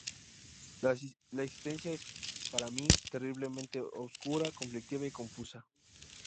La existencia es, para mí, terriblemente oscura, conflictiva y confusa.